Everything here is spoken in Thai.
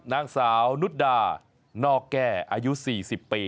นางสาวนุดดานอกแก้อายุ๔๐ปี